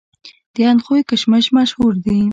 د اندخوی کشمش مشهور دي